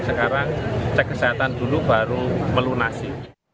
sekarang cek kesehatan dulu baru melunasi